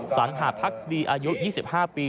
สังหาพักดีอายุ๒๕ปี